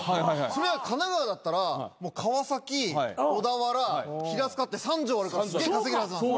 それが神奈川だったら川崎小田原平塚って３場あるからすげえ稼げるはずなんです。